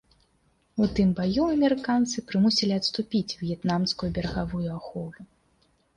У тым баю амерыканцы прымусілі адступіць в'етнамскую берагавую ахову.